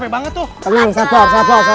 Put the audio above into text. bukanya capek banget tuh